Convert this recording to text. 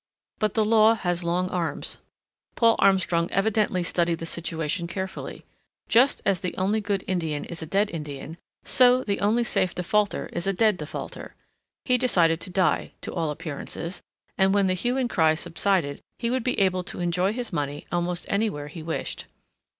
But the law has long arms. Paul Armstrong evidently studied the situation carefully. Just as the only good Indian is a dead Indian, so the only safe defaulter is a dead defaulter. He decided to die, to all appearances, and when the hue and cry subsided, he would be able to enjoy his money almost anywhere he wished.